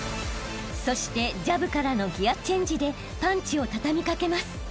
［そしてジャブからのギアチェンジでパンチを畳み掛けます］